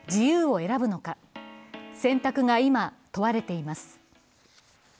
選択が今問われています。